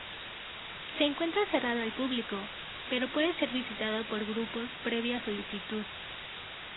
Se encuentra cerrado al público, pero puede ser visitado por grupos previa solicitud.